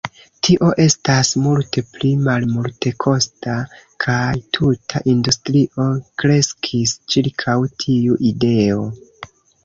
Tio estas multe pli malmultekosta, kaj tuta industrio kreskis ĉirkaŭ tiu ideo.